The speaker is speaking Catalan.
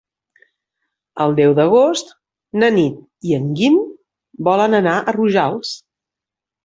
El deu d'agost na Nit i en Guim volen anar a Rojals.